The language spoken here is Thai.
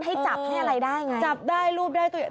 ให้จับให้อะไรได้ไงจับได้รูปได้ตัวเอง